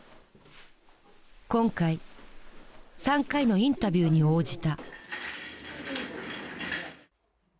今回３回のインタビューに応じた。